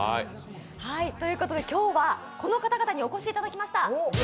ということで今日はこの方々にお越しいただきました。